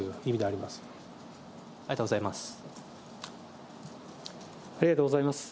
ありがとうございます。